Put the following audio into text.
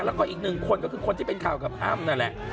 แล้วก็อีกหนึ่งคนก็คือคนที่เป็นข่าวกับอ้ำนั่นแหละ